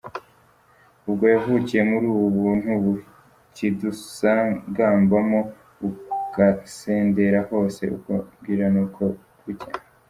Ubwo yavukiye muri ubu buntu bukidusagambamo bugasendera hose uko bwira n’uko bucya.